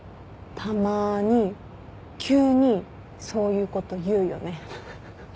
たまに急にそういうこと言うよね。